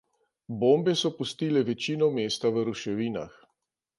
Bombe so pustile večino mesta v ruševinah.